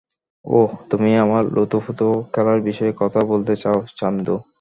ওহ, তুমি আমার লুতুপুতু খেলার বিষয়ে কথা বলতে চাও, চান্দু?